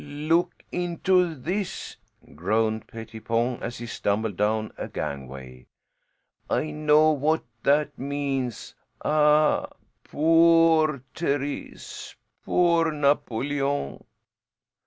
"Look into this," groaned Pettipon as he stumbled down a gangway. "I know what that means. Ah, poor Thérèse! Poor Napoleon!"